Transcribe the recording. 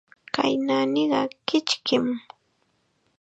Kay naaniqa kichkim.